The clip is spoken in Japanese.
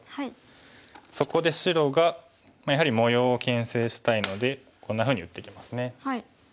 そこで白がやはり模様をけん制したいのでこんなふうに打ってきますね。